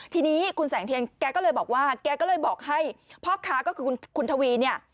ทีนี้คุณแสงเทียนแกก็เลยบอกว่าแกก็เลยบอกให้พ่อค้าก็คือคุณทวีเนี่ย